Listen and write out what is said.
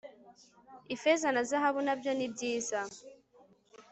ifeza na zahabu nabyo nibyiza